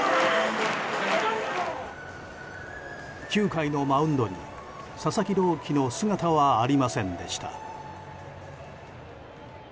９回のマウンドに佐々木朗希の姿はありませんでした。